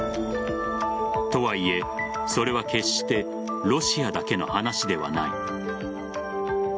とはいえ、それは決してロシアだけの話ではない。